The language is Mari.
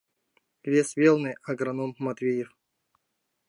Вес велне — агроном Матвеев.